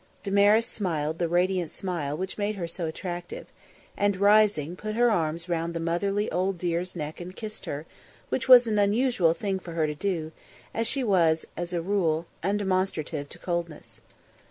Damaris smiled the radiant smile which made her so attractive, and, rising, put her arms round the motherly old dear's neck and kissed her, which was an unusual thing for her to do, as she was, as a rule, undemonstrative to coldness.